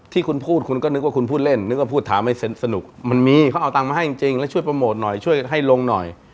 ที่คุณพูดคุณก็นึกว่าคุณพูดเล่นนึกว่าพูดถามให้สนุกมันมีเขาเอาตังค์มาให้จริงแล้วช่วยโปรโมทหน่อยช่วยให้ลงหน่อย